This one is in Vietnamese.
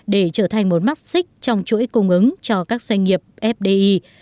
để trở thành một mắt xích trong chuỗi cung ứng cho các doanh nghiệp fdi